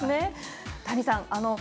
谷さん